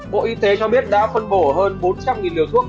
bộ y tế cho biết đã phân bổ hơn bốn trăm linh liều thuốc